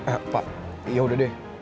eh pak ya udah deh